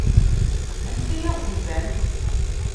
Amek ay aɣ-d-ufant?